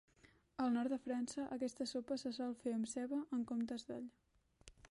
Al nord de França aquesta sopa se sol fer amb ceba en comptes d'all.